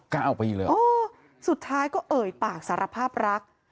เก้าปีเลยเหรอโอ้สุดท้ายก็เอ่ยปากสารภาพรัก